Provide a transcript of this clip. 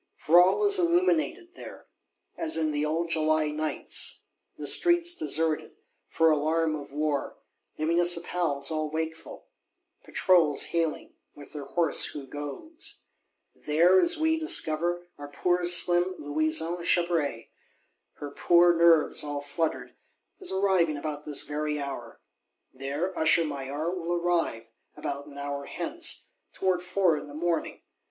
For all is illuminated there, as in the old July Nights; the streets deserted, for alarm of war; the Municipals all wakeful; Patrols hailing, with their hoarse Who goes. There, as we discover, our poor slim Louison Chabray, her poor nerves all fluttered, is arriving about this very hour. There Usher Maillard will arrive, about an hour hence, "towards four in the morning."